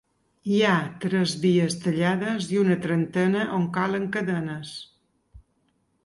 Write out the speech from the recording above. Hi ha tres vies tallades i una trentena on calen cadenes.